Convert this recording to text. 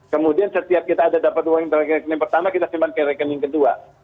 kemudian setiap kita ada dapat uang rekening pertama kita simpan ke rekening kedua